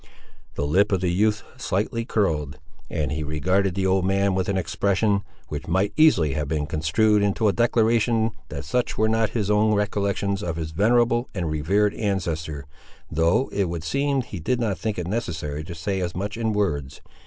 The lip of the youth slightly curled, and he regarded the old man with an expression, which might easily have been construed into a declaration that such were not his own recollections of his venerable and revered ancestor, though it would seem he did not think it necessary to say as much in words.